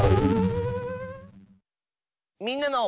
「みんなの」。